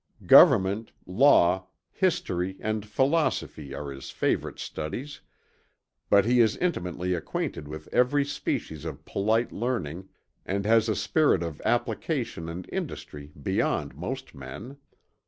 Government, Law, History and Phylosophy are his favorite studies, but he is intimately acquainted with every species of polite learning, and has a spirit of application and industry beyond most Men.